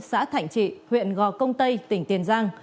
xã thạnh trị huyện gò công tây tỉnh tiền giang